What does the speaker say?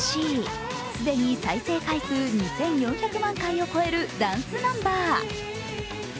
既に再生回数２４００万回を超えるダンスナンバー。